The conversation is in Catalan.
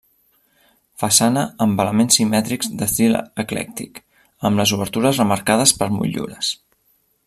Façana amb elements simètrics d'estil eclèctic, amb les obertures remarcades per motllures.